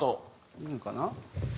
いいのかな？